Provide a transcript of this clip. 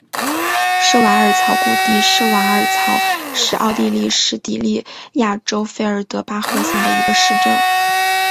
施瓦尔曹谷地施瓦尔曹是奥地利施蒂利亚州费尔德巴赫县的一个市镇。